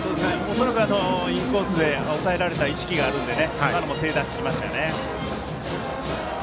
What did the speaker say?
恐らくインコースで抑えられた意識があるので今のも手を出してきましたね。